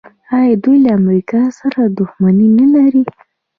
آیا دوی له امریکا سره دښمني نلري؟